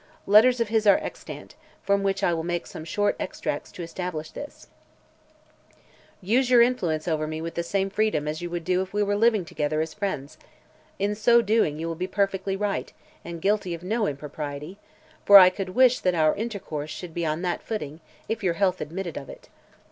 Letters of his are extant, from which I will make some short extracts to establish this: "Use your influence over me with the same freedom as you would do if we were living together as friends. In so doing you will be perfectly right, and guilty of no impropriety; for I could wish that our intercourse should be on that footing, if your health admitted of it."